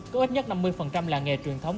có ít nhất năm mươi làng nghề truyền thống